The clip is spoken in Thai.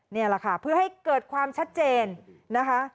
นี่แหละค่ะเพื่อให้เกิดความชัดเจนนะคะ